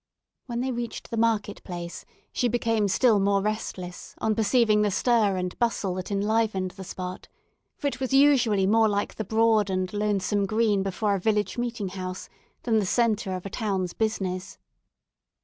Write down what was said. When they reached the market place, she became still more restless, on perceiving the stir and bustle that enlivened the spot; for it was usually more like the broad and lonesome green before a village meeting house, than the centre of a town's business.